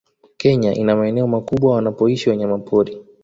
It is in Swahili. Kenya ina maeneo makubwa wanapoishi wanyamapori